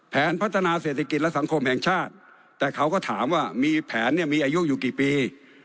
พัฒนาเศรษฐกิจและสังคมแห่งชาติแต่เขาก็ถามว่ามีแผนเนี่ยมีอายุอยู่กี่ปี